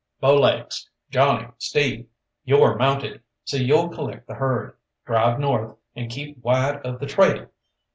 "Bowlaigs, Johnny, Steve, yo're mounted, so you'll collect the herd, drive north, and keep wide of the trail!